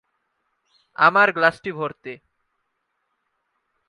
আমার গ্লাসটি ভরতি।